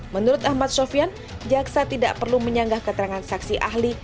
menurut ahmad sofian jaksa tidak perlu menyanggah keterangan saksi ahli